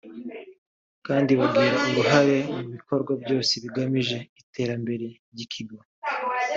kandi bagira uruhare mu bikorwa byose bigamije iterambere ry’ikigo